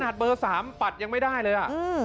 เบอร์๓ปัดยังไม่ได้เลย